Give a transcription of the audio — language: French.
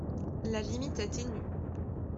La limite est ténue.